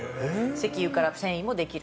石油から繊維もできる。